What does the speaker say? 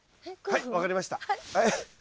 はい分かりましたはい。